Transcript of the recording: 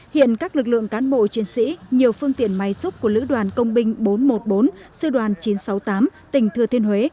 hiện các lực lượng cán bộ chiến sĩ nhiều phương tiện máy xúc của lữ đoàn công binh bốn trăm một mươi bốn sư đoàn chín trăm sáu mươi tám tỉnh thừa thiên huế